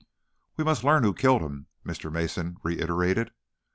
"We must learn who killed him," Mr. Mason reiterated.